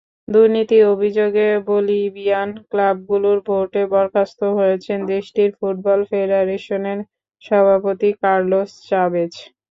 দুর্নীতির অভিযোগে বলিভিয়ান ক্লাবগুলোর ভোটে বরখাস্ত হয়েছেন দেশটির ফুটবল ফেডারেশনের সভাপতি কার্লোস চাভেজ।